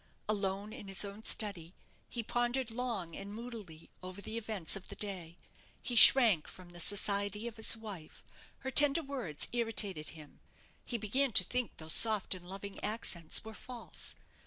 Alone in his own study, he pondered long and moodily over the events of the day. He shrank from the society of his wife. Her tender words irritated him; he began to think those soft and loving accents were false.